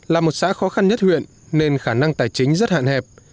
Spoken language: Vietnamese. là một xã khó khăn nhất huyện nên khả năng tài chính rất hạn hẹp